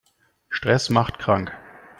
Stress macht krank.